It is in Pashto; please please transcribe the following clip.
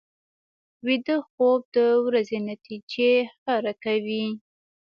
ویده خوب د ورځې نتیجې ښکاره کوي